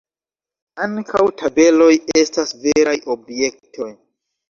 Ankaŭ tabeloj estas veraj objektoj.